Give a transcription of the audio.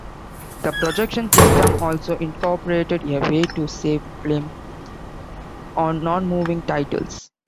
The projection system also incorporated a way to save film on non-moving titles.